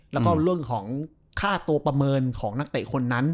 แล้วก็เรื่องของค่าตัวประเมินของนักเตะคนนั้น